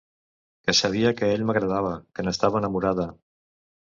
Que sabia que ell m'agradava, que n'estava enamorada.